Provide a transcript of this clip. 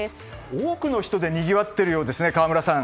多くの人でにぎわってるようですね河村さん。